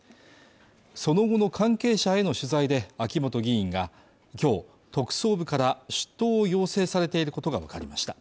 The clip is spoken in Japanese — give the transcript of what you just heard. その後の関係者への取材で秋本議員がきょう特捜部から出頭を要請されていることが分かりました